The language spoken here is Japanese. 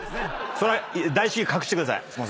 それ大至急隠してください。